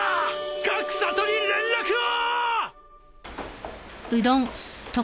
各里に連絡を！